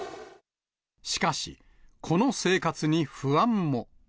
しかし、この生活に不安も。